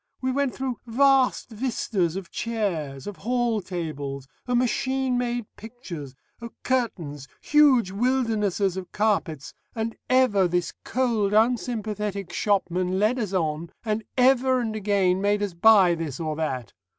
We went through vast vistas of chairs, of hall tables, of machine made pictures, of curtains, huge wildernesses of carpets, and ever this cold, unsympathetic shopman led us on, and ever and again made us buy this or that.